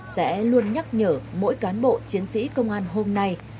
sẽ luôn nhắc nhở mỗi cán bộ chiến sĩ công an hôm nay